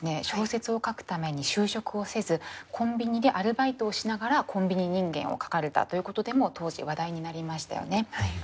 小説を書くために就職をせずコンビニでアルバイトをしながら「コンビニ人間」を書かれたということでも当時話題になりましたよね。